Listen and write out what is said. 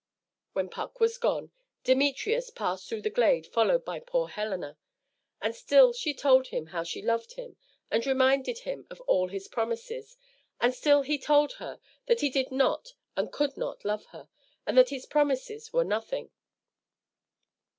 While Puck was gone, Demetrius passed through the glade followed by poor Helena, and still she told him how she loved him and reminded him of all his promises, and still he told her that he did not and could not love her, and that his promises were nothing.